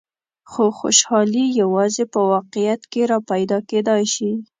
خو خوشحالي یوازې په واقعیت کې را پیدا کېدای شي.